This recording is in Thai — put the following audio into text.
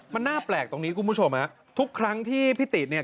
มันน่าแปลกตรงนี้คุณผู้ชมฮะทุกครั้งที่พี่ติเนี่ย